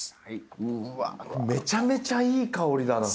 めちゃめちゃいい香りだな。